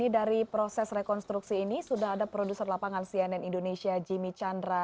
di sini sudah terhadir